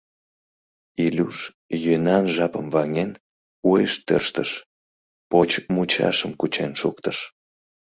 Илюш, йӧнан жапым ваҥен, уэш тӧрштыш, поч мучашым кучен шуктыш.